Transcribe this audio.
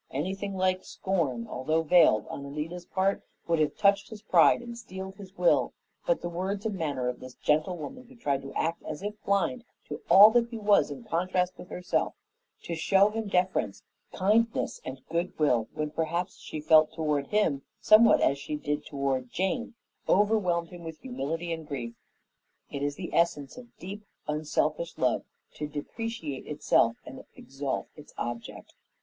Anything like scorn, although veiled, on Alida's part, would have touched his pride and steeled his will, but the words and manner of this gentle woman who tried to act as if blind to all that he was in contrast with herself, to show him deference, kindness, and good will when perhaps she felt toward him somewhat as she did toward Jane, overwhelmed him with humility and grief. It is the essence of deep, unselfish love to depreciate itself and exalt its object.